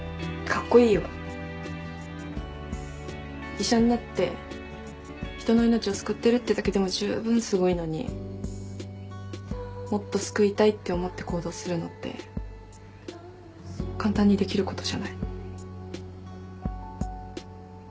医者になって人の命を救ってるってだけでもじゅうぶんすごいのにもっと救いたいって思って行動するのって簡単にできることじゃない。